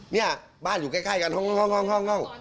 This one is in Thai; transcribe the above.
เนี่ยบ้านอยู่ใกล้กันห้อง